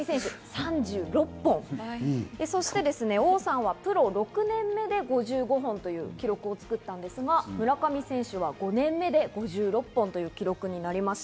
そして王さんはプロ６年目で５５本という記録を作ったんですが、村上選手は５年目で５６本という記録です。